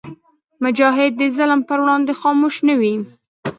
مجاهد د ظلم پر وړاندې خاموش نه وي.